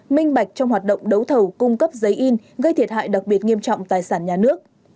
minh bạch trong hoạt động đấu thầu cung cấp giấy in gây thiệt hại đặc biệt nghiêm trọng tài sản nhà nước